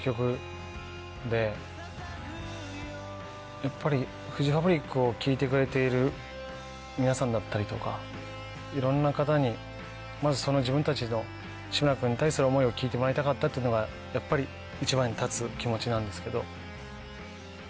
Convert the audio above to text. やっぱりフジファブリックを聴いてくれている皆さんだったりとかいろんな方にまずその自分たちの。っていうのがやっぱり一番に立つ気持ちなんですけど。